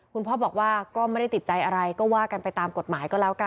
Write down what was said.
คุณพ่อบอกว่าก็ไม่ได้ติดใจอะไรก็ว่ากันไปตามกฎหมายก็แล้วกัน